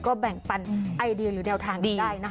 ก็แบ่งปันไอเดียหรือแนวทางนี้ได้นะคะ